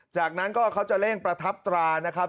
จากนั้นเขาจะเร่งประศนียบัตร